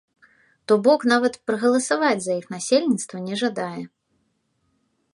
То бок, нават прагаласаваць за іх насельніцтва не жадае.